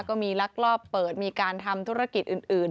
ก็มีลักลอบเปิดมีการทำธุรกิจอื่น